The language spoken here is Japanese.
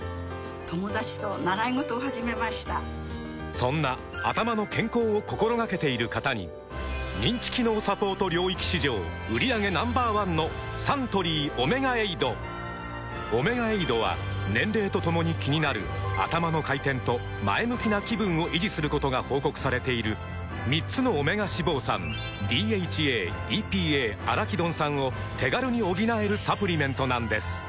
そんなアタマの健康を心がけている方に認知機能サポート領域市場売上Ｎｏ．１のサントリー「オメガエイド」「オメガエイド」は年齢とともに気になる「アタマの回転」と「前向きな気分」を維持することが報告されている３つのオメガ脂肪酸ＤＨＡ・ＥＰＡ・アラキドン酸を手軽に補えるサプリメントなんです